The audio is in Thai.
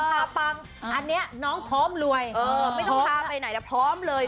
พาปังอันนี้น้องพร้อมรวยไม่ต้องพาไปไหนแล้วพร้อมเลย